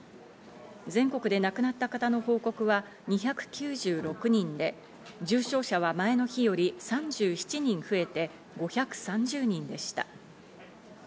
全国で亡くなった方の報告は２９６人で、重症者は前の日より３７人増えて５３０人でした。